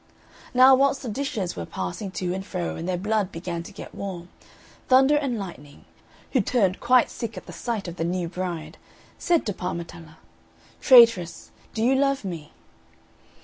Now whilst the dishes were passing to and fro, and their blood began to get warm, Thunder and Lightning, who turned quite sick at the sight of the new bride, said to Parmetella, "Traitress, do you love me?"